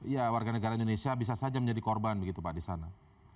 ya warga negara indonesia bisa saja menjadi korban begitu pak di sana